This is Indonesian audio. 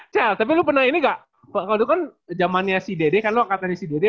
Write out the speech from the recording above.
chel tapi lu pernah ini gak kalau dulu kan zamannya si dede kan lo katanya si dede